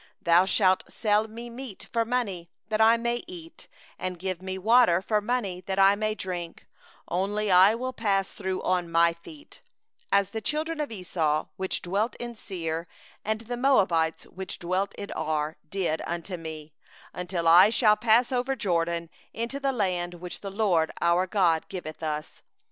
28Thou shalt sell me food for money, that I may eat; and give me water for money, that I may drink; only let me pass through on my feet; 29as the children of Esau that dwell in Seir, and the Moabites that dwell in Ar, did unto me; until I shall pass over the Jordan into the land which the LORD our God giveth us.